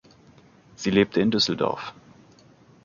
Sie lebte in Düsseldorf.